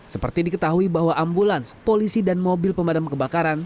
seperti diketahui bahwa ambulans polisi dan mobil pemadam kebakaran